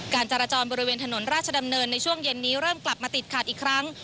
การจราจรบริเวณถนนราชดำเนินในช่วงเย็นนี้เริ่มกลับมาติดขัดอีกครั้ง